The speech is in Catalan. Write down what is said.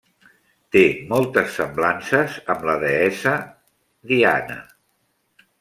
Té moltes semblances amb la deessa Diana.